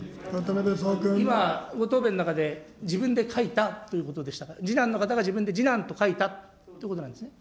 今、ご答弁の中で、自分で書いたということでしたから、次男の方が自分で次男と書いたということなんですね。